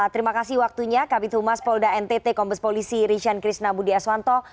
terima kasih waktunya kapit huma spolda ntt kompas polisi rishan krishna budi aswanto